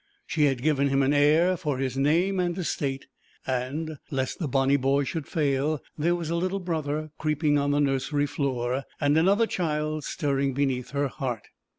She had given him an heir for his name and estate, and, lest the bonny boy should fail, there was a little brother creeping on the nursery floor, and another child stirring beneath her heart.